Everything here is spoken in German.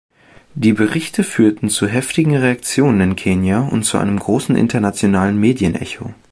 Die Berichte führten zu heftigen Reaktionen in Kenia und zu einem großen internationalen Medienecho.